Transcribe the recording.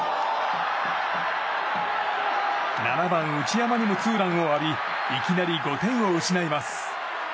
７番、内山にもツーランを浴びいきなり５点を失います。